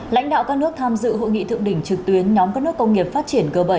lãnh đạo các nước tham dự hội nghị thượng đỉnh trực tuyến nhóm các nước công nghiệp phát triển g bảy